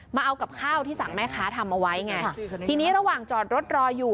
มาเอากับข้าวที่สั่งแม่ค้าทำเอาไว้ไงทีนี้ระหว่างจอดรถรออยู่